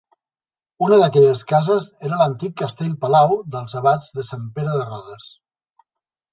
Una d'aquestes cases era l'antic castell-palau dels abats de Sant Pere de Rodes.